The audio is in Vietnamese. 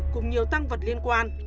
cùng nhiều tăng vật liên quan